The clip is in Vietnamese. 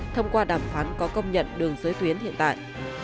thông qua đàm phán có công nhận đường giới tuyến hiện tại